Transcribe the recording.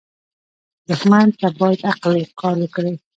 دښمن ته باید عقل کار وکړې